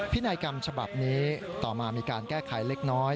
นัยกรรมฉบับนี้ต่อมามีการแก้ไขเล็กน้อย